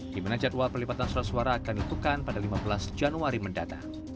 dimana jadwal pelipatan surat suara akan ditukar pada lima belas januari mendatang